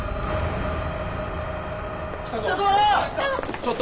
ちょっと！